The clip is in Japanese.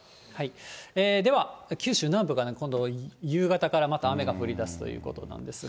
では、九州南部がね、今度、夕方から、また雨が降りだすということなんですが。